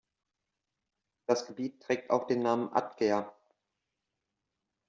Das Gebiet trägt auch den Namen Agder.